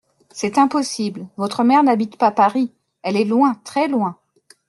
C'est impossible, votre mère n'habite pas Paris ; elle est loin, très loin.